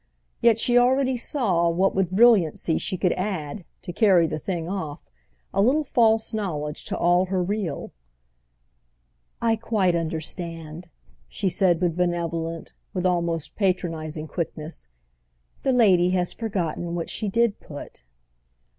Yet she already saw with what brilliancy she could add, to carry the thing off, a little false knowledge to all her real. "I quite understand," she said with benevolent, with almost patronising quickness. "The lady has forgotten what she did put."